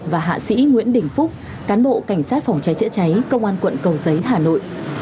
và hạ sĩ nguyễn đình phúc cán bộ cảnh sát phòng cháy chữa cháy công an quận cầu giấy hà nội